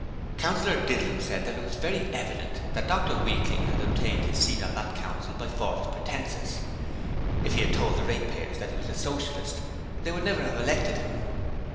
Councillor Didlum said that it was very evident that Dr Weakling had obtained his seat on that Council by false pretences. If he had told the ratepayers that he was a Socialist, they would never have elected him.